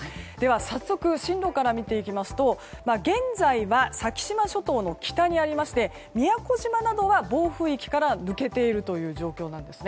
早速、進路から見ていきますと現在は先島諸島の北にありまして宮古島などは暴風域から抜けているという状況なんです。